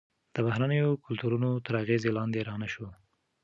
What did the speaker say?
د بهرنیو کلتورونو تر اغیز لاندې رانه شو.